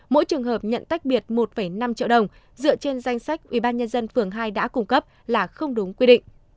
mỗi trường hợp nhận tách biệt một năm triệu đồng dựa trên danh sách ubnd phường hai đã cung cấp là không đúng quy định